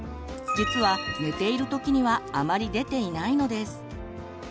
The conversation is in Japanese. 実は寝ているときにはあまり出ていないのです。